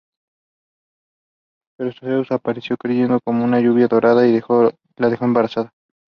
Daniel Vogel is the current chief executive officer.